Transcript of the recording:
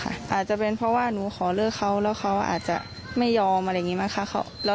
อาจจะเป็นเพราะว่าหนูขอเลิกเขาแต่เขาไม่ได้ยอมตามคำได้